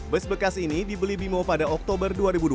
bus bekas ini dibeli bimo pada oktober dua ribu dua puluh